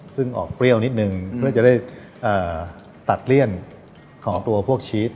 ซึ่งออกเปรี้ยวนิดนึงเพื่อจะได้ตัดเลี่ยนของตัวพวกชีส